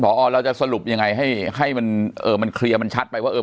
ขอออกเราจะสรุปยังไงให้ให้มันเออมันเคลียร์มันชัดไปว่า